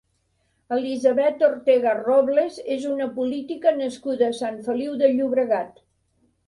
Elisabet Ortega Robles és una política nascuda a Sant Feliu de Llobregat.